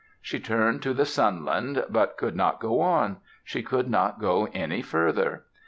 She turned to the Sunland but could not go on. She could not go any further.